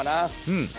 うん。